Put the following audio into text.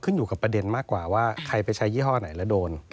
อยู่กับประเด็นมากกว่าว่าใครไปใช้ยี่ห้อไหนแล้วโดน